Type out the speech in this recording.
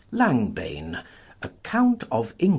Langbaine (ACCOUNT OF ENGL.